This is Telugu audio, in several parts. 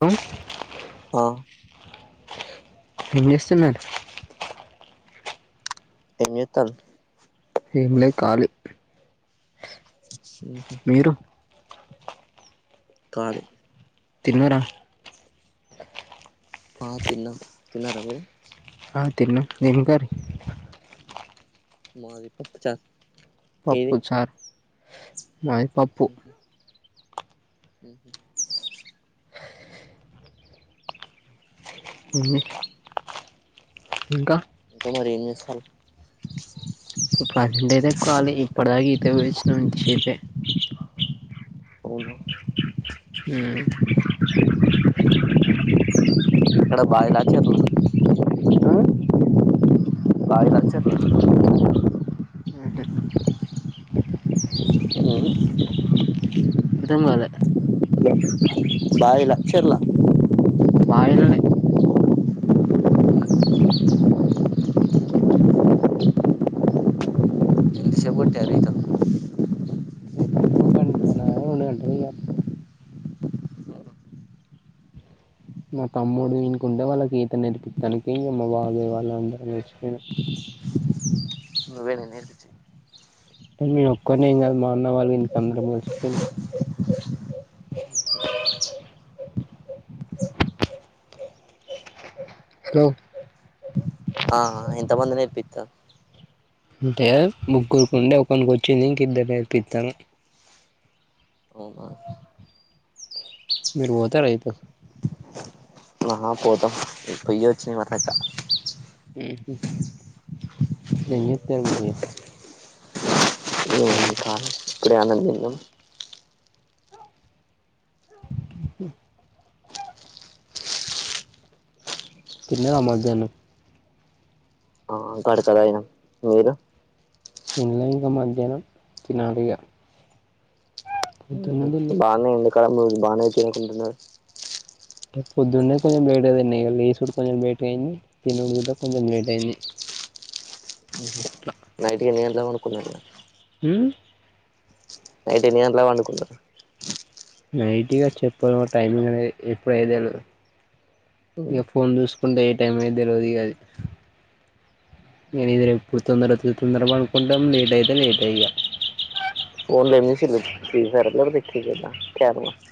తోం ఆ ఏం జేస్తున్నారు ఏం జేత్తారు ఏం లే కాలి ఉహు కాలి తిన్నరా ఆ తిన్నం తిన్నరా మీరు ఆ తిన్న ఏం కరి మాది పప్పు చార్ పప్పు చార్ మాది పప్పు ఊహు ఉ ఇంకా ఇంకా మరి ఏం చేసార్రు ప్రజెంట్ అయితే ఖాళీ ఇప్పటిదాకా ఈత పోయొచ్చినం ఇంతసేపే అవునా హ ఇక్కడ బాయలా చెరువా ఆ బాయాలా చెరువా అ అర్థం కాల బాయలా చర్లా బాయిలోనే చెబుట్టారు ఈత గంట రెండు గంట ఇగ [unintelligible] మా తమ్ముడు వినుకుంటే వాళ్ళకి ఈత నేర్పిిత్తానికి ఇక మా బాబాయ్ వాళ్ళ అందరం వచ్చిపొయినం నువ్వేనా నేర్పిచింది నేనొక్కనేం కాదు మ అన్న వాళ్ళ ఇంటికాడ అందరం కల్సిపోయినం స్లో ఆ ఎంతమంది నేర్పిత్తరు అంటే ముగ్గురుకు ఉండే ఒకనికి వచ్చింది ఇంక ఇద్దరు నేర్పిత్తాన అవునా మీరు పోతే రైతు అహ పోత పొయచ్చి [unintelligible] నంది మర్దకా ఉహ్ ఏం చెప్తారు మరి ఏముందింక సాయంత్రం ఇప్పుడే అన్నం తిన్నం ఇకాే [unintelligible] తిన్నావా మధ్యానం ఆ గడక దాగినం మీరు తినలే ఇంక మధ్యాహ్నం తినాలిగ బానే ఎంతకాల బాగానే చేయించుకుంటున్నారు పొద్దున్నే కొంచెం లేట్ అయిదండి ఇ లేసుడు కొంచెం లేట్ అయింది తినుడుకూడ కొంచెం లేట్ అయింది నైట్ కి ఎన్ని గంటలకు పనుకున్నరు అ నైటు ఎన్ని గంట్ల కు పండుకున్నరు నైట్ ఇగ చెప్పలేం టైమింగ్ అనేది ఎప్పుడు అయ్యేది దెలవదు ఇక ఉహు ఫోన్ చూసుకుంటే ఏ టైం అయ్యేది తెలవదు అది ఇక నిదర ఎప్పుడు తొందర తొందరగ పనుకుంటాం లేట్ అయితే లేటే ఇగ ఫోన్ లేమసి ఫీ ఫి కద క [unintelligible]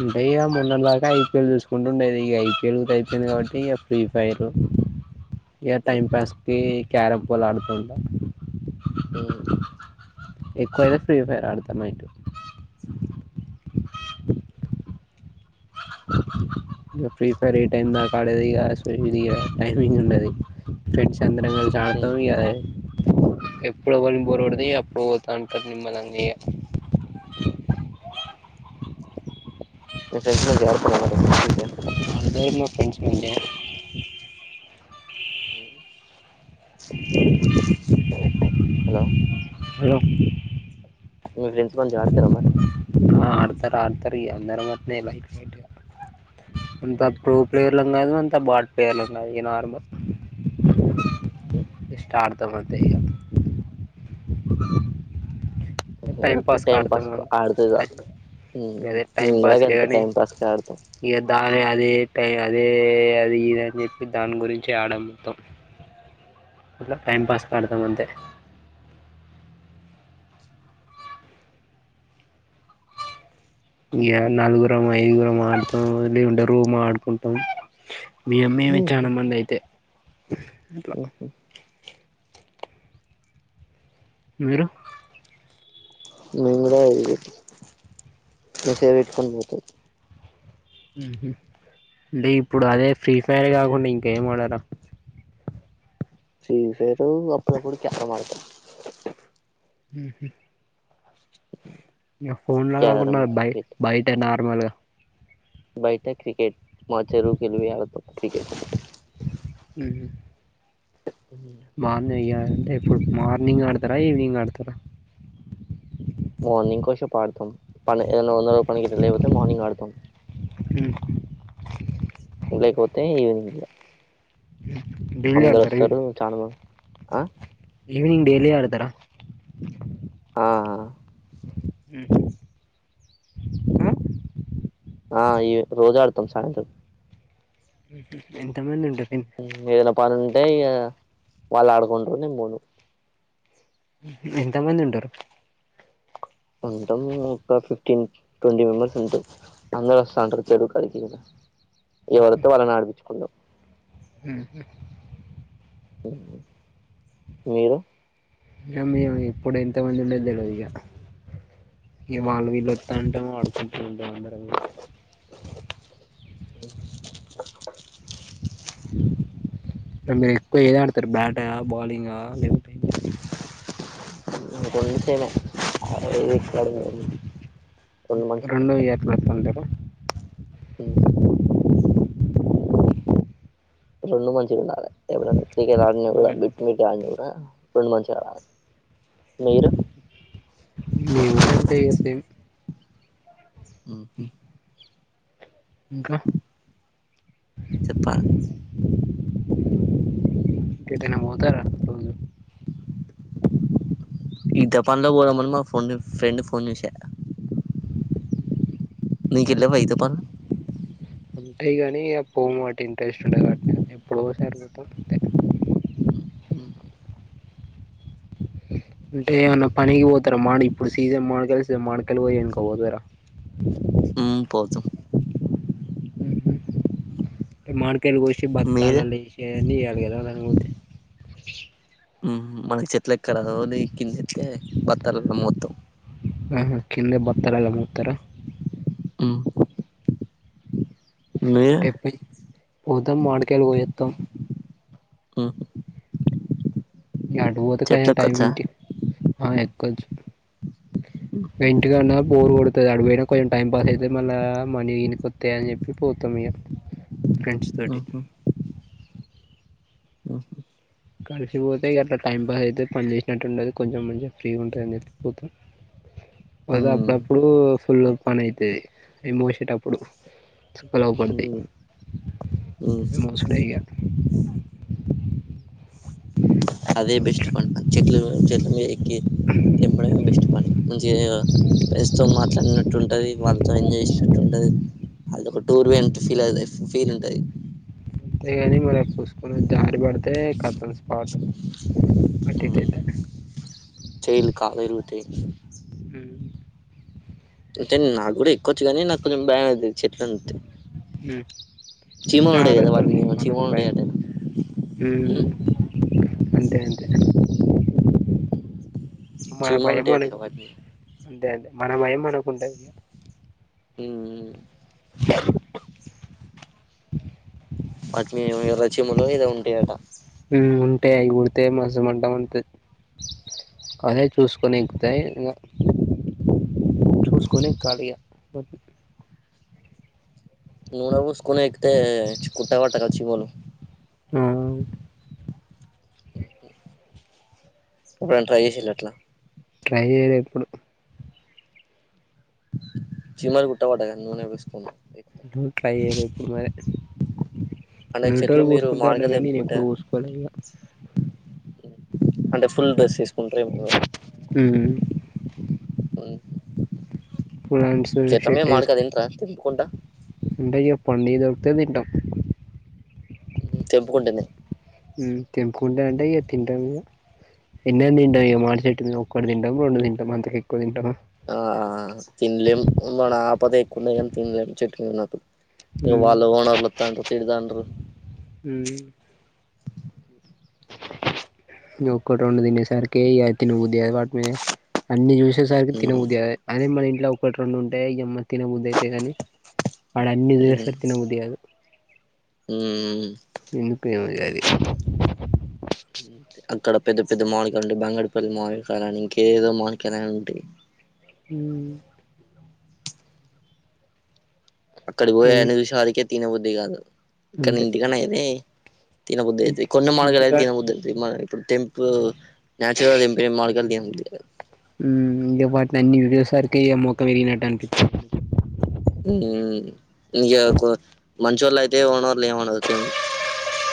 అంటే ఇక మొన్నటి దాకా ఐపీఎల్ చూసుకుంటూ ఉండేది ఇక ఐపీఎల్ కూడ అయిపోయింది కాబట్టి ఇక ఫ్రీ ఫైర్ ఇక టైం ఉహు పాస్కి క్యారం పూల్ ఆడుతుంటా అ ఎక్కువైతే ఫ్రీ ఫైర్ అడుత మాఇంట్లో [inaudible] ఇగ ఫ్రీ ఫైర్ ఏ టైమ్ దాకా ఆడేదిక ఇది టైమింగ్ ఉండది ఫ్రెండ్స్ అందరం కలిసి ఉమ్ ఆడతాం ఇక ఎప్పుడు ఎవనికి బోర్కోడితే అప్పుడు పోతా ఉంటారు నిమ్మలంగా ఇగ [inaudible] టషప మ [unintelligible] అదే మా ఫ్రెండ్స్ ముందే [inaudible] హలో. హాలో. మీ ఫ్రెండ్స్ మంచి ఆడతారా మరి. ఆ ఆడతారు ఆడతారు ఇగా అందరం అట్నే లైట్ లైట్గా. అంత ప్రో ప్లేయర్లం గాదు, అంత బాట్ ప్లేయర్లం గాదు ఇగా నార్మల్. ఆహ్హా. త్తమతే ఇగా. ఏదో టైమ్ అట్లా పాస్ టైం కడతాం కు అంతే ఆడితే టైం. చాలు ఉహు గదె టైం మేము కూడా గంతే పాస్కెగానీ, టైం పాస్ కి ఆడతాం ఇగా దానె అదే టైం. అదే అది ఇదని జెప్పి దాని గురించె ఆడ మొత్తం. అట్లా టైం పాస్ కడతామంతే. ఇగా నాలుగురం, ఐదుగురం ఆడతాం లీవుంటే రూమ్ ఆడుకుంటాం. మీ ఉహు అమ్మేమిచ్చనమందైతే. ఇంట్ల. మీరు. నేన్ గూడా ఇగ మెసేజ్ బెట్టుకొని పోతాం. ఊహూ డే ఇప్పుడు అదే ఫ్రీ ఫైర్ గాకుండా ఇంకేం ఆడరా. ఫ్రీఫైరు అప్పుడప్పుడు క్యారం ఆడతాం. ఊహూ. ఇగ ఫోన్లా క్యారం గాకుండా బయ్ క్రికెట్ బయట నార్మల్గా. బయట క్రికెట్ మా చెరువుకేళి పోయి ఆడుతాం క్రికెట్ ఉహు మార్నింగ్ ఏ అంటే ఇప్పుడు మార్నింగ్ ఆడతరా ఈవినింగ్ ఆడతరా మార్నింగ్ కో షో ఆడతాం పని ఏదైనా వంద రూపాయ పనికి ఇట్లా లేకపోతే మార్నింగ్ ఆడతాం ఎహె ఈవినింగే డైలీ ఆడతారా అందరొస్తరు ఈవినింగ్ చాలామంది ఆ ఈవనింగ్ డైలీ ఆడతరా ఆ ఉహు ఇంకా ఆ ఈ రోజు ఆడుతం సాయంత్రం ఉహు ఎంత మంది ఉంటరు ఏదైనా పని ఉంటే ఇక వాళ్ళు ఆడుకుంటరు నేను పోను ఉహు ఎంతమంది ఉంటరు ఉంటం ఒక ఫిఫ్టీన్ ట్వంటీ మెంబెర్స్ ఉంటరు అందరు వస్తాంటరు చెరువు కాడికి ఇంకా ఎవ్వలొత్తే వాళ్ళని ఆడిపించుకుంటం ఉఉ మీరు మేము ఇగ ఎప్పుడు ఎంతమంది ఉండేది తెల్వదు ఇక ఇగ వాళ్ళు వీళ్ళు వత్తాంటం ఆడుకుంట ఉంటం అందరం ఇగ [inaudible] మీరు ఎక్కువ ఏది ఆడతరు బ్యాటా బౌలింగా లేకపోతే కొంచెమే [unintelligible] రెండు [unintelligible] రెండు మంచిగ ఉండాలె ఎప్పుడన్న క్రికెట్ ఆడిన కూడా [unintelligible] ఆడిన కూడా రెండు మంచిగ ఆడాలే నేను కూడా అంతే ఇగ సేమ్ ఉహు ఇంకా చెప్పాలె ఎటైనా పోతార్రా ఈ రోజు ఈ జపాన్ లో పోదమని మా ఫ్రెండ్ ఫ్రెండ్ ఫోన్ చేసా నీకిట్ల వాయి తపాన్ ఉంటయి గని పోము వాటి ఇంట్రెస్ట్ ఉండేది కాదు [unintelligible] సారుగుత అంత అంటే ఏమన్న పనికి వోతరా మాడి ఇప్పుడు సీజమ్ మామిడకాయల సిజన్ మాడకాయలి కోయనీకి పోతరా మ్ పోతం మ్హ్ మామిడికాయల్ గోశి మీరు బాత్తాలేశి ఎందుకియాల [unintelligible] మ్హ్ మనకి చెట్ల్ ఎక్క రాదు ఓని కిందెత్తే బత్తాలల్ల మోత్తం ఆహా కిందె బత్తాలల్ల మోత్తరా అం టెప్పె పోతం మాడికాయలు మోత్తం మ్ ఇగ అటు వోతె [unintelligible] టైం ఎక్కొచ్చా ఇంటి మనం ఎక్కచ్చు నె ఇంటికా న్న బోరు గొడుతది అడిపోయినా కొంచెం టైం పాస్ అయితే మళ్ళీ మనీ దెనికోత్తయి అని చెప్పి పోతా ఇగ ఫ్రండ్స్ తోటి ఉహు ఉమ్ కలిసిపోతే అట్లా టైం పాస్ అయితే పని చేసినట్టు ఉండది కొంచెం మంచిగా ఫ్రీగా ఉంటుందని చెప్పి పోతాం వద ఉమ్ అప్పుడప్పుడు ఫుల్ పని అయితది అయి మోశెటప్పుడు సుక్కల్ అవుపడతయి ఉమ్ ఉమ్ మోసుడే ఇగ అదే బెస్ట్ అంతేగాని పని చెట్లు చెట్లమీద ఎక్కి తెంపడం [unintelligible] ఫ్రెంన్స్ తో మాట్లాడినట్టు ఉంటది వాళ్ళ్తో ఎంజాయ్ జేశినట్టు ఉంటది అది ఒక టూర్ వొయినట్ట్ ఫీల్ అవు ఫీల్ ఉంటది అంతే ని మరి పూసుకున జారి పడితే కథమ్ స్పాట్ అటు ఇటు మ్ అయితే చైలు కాలు ఇరుగుతయి అంటే నాకు కూడా ఎక్కొవచ్చు గనీ నాకు కొంచెం బయమయిద్ది చెట్ల్ అంటె [unintelligible] ఉంటాయి కదా జాగ్రత్త వాటి మీద మనకు చీమలు భయం ఉంటాయట మ్ అంతే అంతే మన చీమలు భయం ఉంటాయట మనకు వాటి మీద అదే అ మన భయం మనకుంటది మ్ వాటిమీద ఎర్ర చీమలో ఏదో ఉంటయట మ్ ఉంటయి అవి గుడితే మసు మంటమండుతది అదే చూసుకొని తే ఇగ చూస్కొని ఎక్కాలిగ నూన పూస్కొని ఎక్కితే కుట్టవట కదా చీమలు ఆ ఇప్పుడు ట్రై జేశిల్ల అట్లా ట్రై చేయలే ఎప్పుడు చీమల్ గుట్ట వట గ నూనె బూస్కున్ మ్ ట్రై యెయలె ఎప్పుడు మరి అంటే చెట్లు వేరేటోళ్ళు మీరు పోస్కుంటరు లే మామిడికాయలు గని తెంపుకుంటే ఎప్పుడు పోసుకోలే ఇక అంటే ఫుల్ డ్రెస్స్ కుంట్రేమొ మీరు ఉమ్ ఫులాన్స్ చెట్ల మీద షెట్ట్ ఏస్ మామిడికాయ తింటారా తెంపుకుంటా అంటె ఇగ పండియి దొర్క్తె దింటం తెంపుకుంటె మ్ తెంపుకుంటె అంటె ఇయ తింటా ఎన్నన్న తింటం మాడి చెట్ ఒకక్క తింటం రెండు తంటాం అంత ఎక్కువ తింటము ఆ తినలేం మన ఆపద ఎక్కువడా తినలేం చెట్ ఇ ఉమ్ వాళ్ళ హోనర్లత్తాండ్ర తిడదాండు నక్కట్ ఉం దిన సార్కి త ను ఉ వాటి మీద అన్ని చూసేసరికి మ్మ్ తినదు అ మన ఇంట్లో ఒకటి రెండు ఉంటాయి ఎ తినబది అయితే కానీ వాడ అన్ని చూస్తారు తినబది కాదు ము ఎందుకేది అక్కడ పెద్ద పెద్ద మామిడికాయలు ఉంటాయి బంగడిపల్లి మామిడికాయలు ఇంక ఏదో మాలి కాయలు ఉంటాయి హ అక్కడి పోయ అ ఇది నిమిషాలికే తినవద్ది కాదు ఇక్కడ అంతే ఇంటికని అదే తినబద్దు కొన్న మాార్కలుతే ఇంటికాడ తినబద్దు మ ఇప్పుడు టంపు నేచురల్గా తెంప మార్కలు అ ఇంక వాటిని అన్ని విడియో సరికి ఆ మోఖం వెరిగినట్టు అనిపించ ఇంక మంచ వాళ్ళ అయితే ఓనర్లు ఏమనరు అగుతంది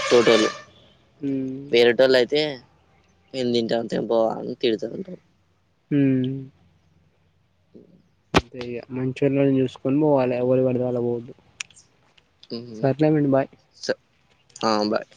టోటల్ వేరేటోళ్ళు అయితే మ తింటాంత ఏం పోవాలని తిడుతాంటారు ము ఉ అంత మంచూరి చూసుకొని పోవాలి ఎ రి పడద అల పోదు ఆ బాయ్